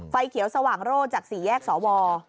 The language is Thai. ไฟเขียวสว่างโร่จากสี่แยกสว